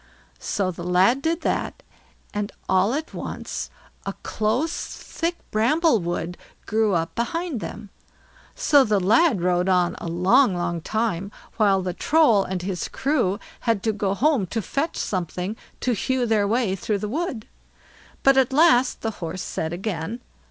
So the lad did that, and all at once a close, thick bramble wood grew up behind them. So the lad rode on a long, long time, while the Troll and his crew had to go home to fetch something to hew their way through the wood. But at last, the Horse said again.